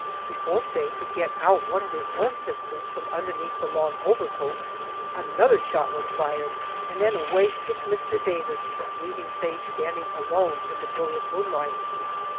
Before Faye could get out one of his own pistols from underneath the long overcoat, another shot was fired, and then away skipped Mr. Davis, leaving Faye standing alone in the brilliant moonlight.